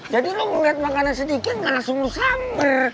jadi lo ngeliat makanan sedikit gak langsung lo samber